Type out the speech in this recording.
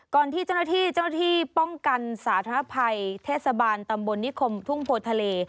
ที่เจ้าหน้าที่เจ้าหน้าที่ป้องกันสาธารณภัยเทศบาลตำบลนิคมทุ่งโพทะเล